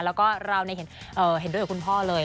แล้วก็เราเห็นด้วยกับคุณพ่อเลย